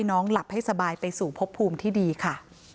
น้องหลับให้สบายไปสู่พบภูมิที่ดีค่ะ